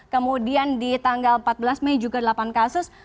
kemudian di tanggal empat belas mei juga delapan kasus